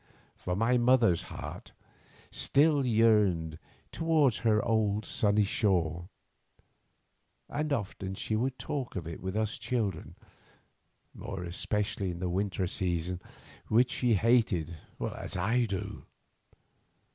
For my mother's heart still yearned towards her old sunny home, and often she would talk of it with us children, more especially in the winter season, which she hated as I do.